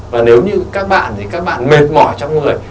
và nếu như các bạn mệt mỏi trong người